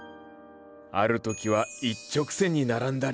ある時は一直線に並んだり。